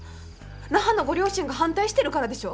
那覇のご両親が反対してるからでしょ？